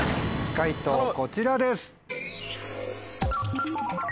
解答こちらです。